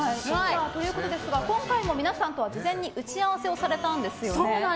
今回も皆さんとは事前に打ち合わせをされたんですよね。